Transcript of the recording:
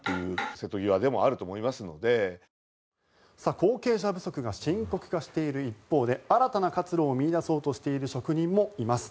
後継者不足が深刻化している一方で新たな活路を見いだそうとしている職人もいます。